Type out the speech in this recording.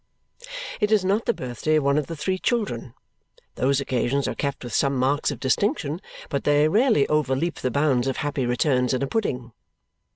It is not the birthday of one of the three children. Those occasions are kept with some marks of distinction, but they rarely overleap the bounds of happy returns and a pudding.